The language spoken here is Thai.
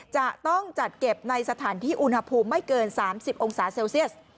จะต้องจัดเก็บในสถานที่อุณหภูมิไม่เกิน๓๐องศาเซลเซียส